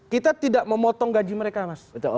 kita tidak memotong gaji mereka mas